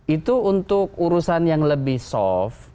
itu untuk urusan yang lebih soft